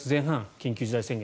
緊急事態宣言